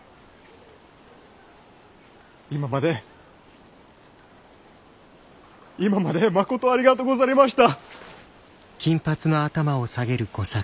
今まで今までまことありがとうござりました。